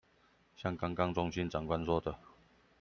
像剛剛中心長官說的